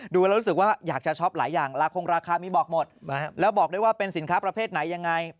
ดูแล้วรู้สึกว่าอยากจะช็อปหลายอย่างราคงราคามีบอกหมดแล้วบอกได้ว่าเป็นสินค้าประเภทไหนยังไง